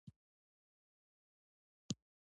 ډيپلوماسي د جنګ او شخړې مخه نیسي.